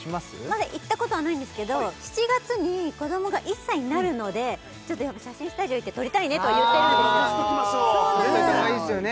まだ行ったことはないんですけど７月に子どもが１歳になるのでやっぱ写真スタジオ行って撮りたいねとは言ってるんです撮っといた方がいいですよね